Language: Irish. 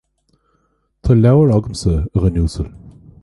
Tá leabhar agamsa, a dhuine uasail